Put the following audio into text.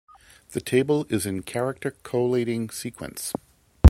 The table is in Character Collating Sequence.